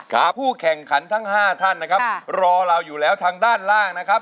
ผู้แข่งขันทั้งห้าท่านนะครับรอเราอยู่แล้วทางด้านล่างนะครับ